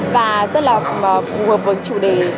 và rất là phù hợp với chủ đề